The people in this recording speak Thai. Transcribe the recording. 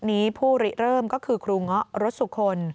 นี้ผู้ริเริ่มก็คือครูง๊อรสุคน